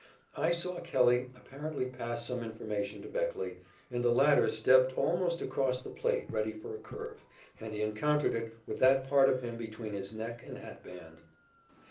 I saw Kelley apparently pass some information to Beckley, and the latter stepped almost across the plate ready for a curve. He encountered a high, fast one, close in, and he encountered it with that part of him between his neck and hat band.